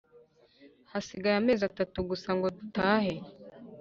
hasigaye amezi atatu gusa ngo dutahe